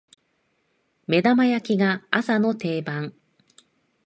目玉焼きが朝の定番